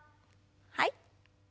はい。